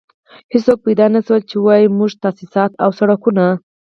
هېڅوک پيدا نه شول چې ووايي موږ تاسيسات او سړکونه.